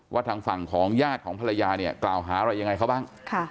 ทางฝั่งของญาติของภรรยาเนี่ยกล่าวหาอะไรยังไงเขาบ้าง